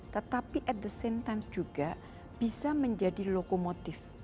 tetapi at the same times juga bisa menjadi lokomotif